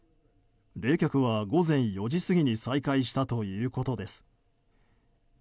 冷却は午前４時過ぎに再開したということです。